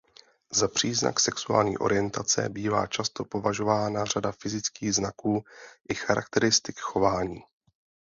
Za příznak sexuální orientace bývá často považována řada fyzických znaků i charakteristik chování.